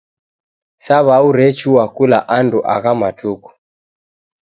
Saw'au rechua kula andu agha matuku.